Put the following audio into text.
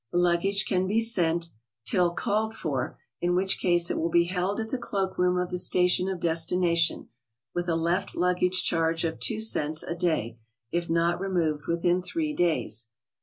The luggage can be sent "Till called for," in which case it will be held at the cloak room of the station of destination, with a left luggage charge of two cents a day, if not removed within three days.